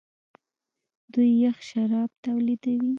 دوی یخ شراب تولیدوي.